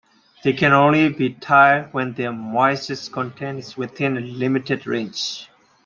They can only be tilled when their moisture content is within a limited range.